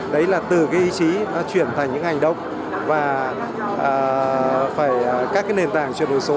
đấy là từ cái ý chí chuyển thành những ngành động và các cái nền tảng chuyển đổi số